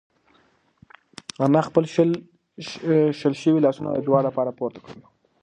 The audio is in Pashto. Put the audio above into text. انا خپل شل شوي لاسونه د دعا لپاره پورته کړل.